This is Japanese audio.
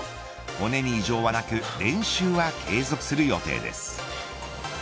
骨に異常はなく練習は継続する予定です。